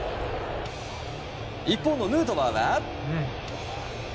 一方のヌートバーは。